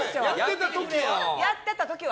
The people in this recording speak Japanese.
やってた時は？